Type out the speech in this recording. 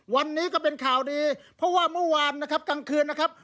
วันนี้ก็เป็นข่าวดีเพราะว่าเมื่อวานนะครับกลางคืนนะครับ